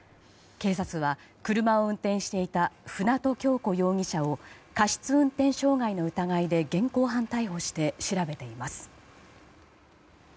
警察は車を運転していた舟渡今日子容疑者を過失運転傷害の疑いで現行犯逮捕して調べています。